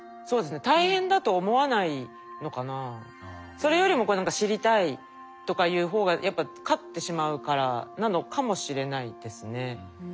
それよりもこう何か知りたいとかいう方がやっぱ勝ってしまうからなのかもしれないですね。